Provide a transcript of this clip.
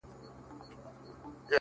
• خداى دي كړي خير گراني څه سوي نه وي؛